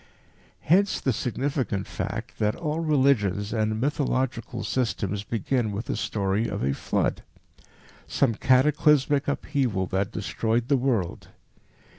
Hence the significant fact that all religions and "mythological" systems begin with a story of a flood some cataclysmic upheaval that destroyed the world.